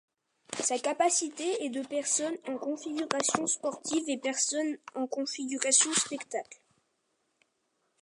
Sa capacité est de personnes en configuration sportive et personnes en configuration spectacle.